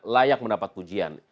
layak mendapat pujian